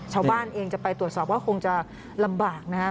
ชาวบ้านเองจะไปตรวจสอบว่าคงจะลำบากนะครับ